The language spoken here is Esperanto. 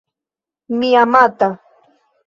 Mi amata